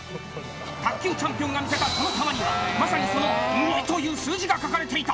卓球チャンピオンが見せたその球には、まさにその２という数字が書かれていた。